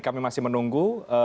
kami masih menunggu